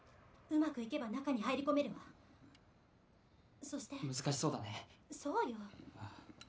うまくいけば中に入り込めるわそして難しそうだねそうよああ